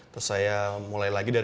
terus saya mulai lagi dari